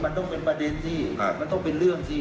มันต้องเป็นเรื่องสิเอ่อไปคิดอย่างนั้นมันไม่จำเป็น